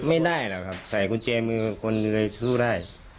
ไม่ได้หรอกครับใส่กุญแจมือคนเลยสู้ได้